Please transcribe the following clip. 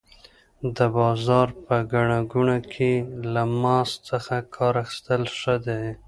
د بازار په ګڼه ګوڼه کې له ماسک څخه کار اخیستل ښه دي.